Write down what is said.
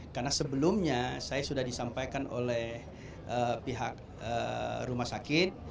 karena sebelumnya saya sudah disampaikan oleh pihak rumah sakit